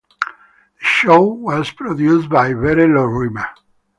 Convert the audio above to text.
The show was produced by Vere Lorrimer.